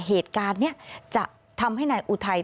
เหตุการณ์นี้จะทำให้นายอุทัย